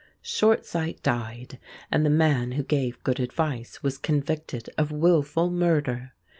Short Sight died, and the man who gave good advice was convicted of wilful murder.